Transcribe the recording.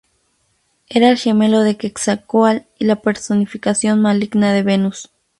Era el gemelo de Quetzalcóatl, y la personificación maligna de Venus.